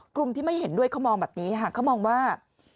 กลุ่มที่ไม่เห็นด้วยเขามองแบบนี้ค่ะเขามองว่า